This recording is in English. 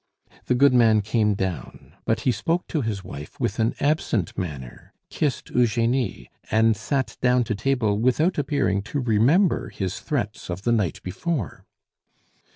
The goodman came down; but he spoke to his wife with an absent manner, kissed Eugenie, and sat down to table without appearing to remember his threats of the night before.